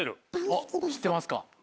あっ知ってますか。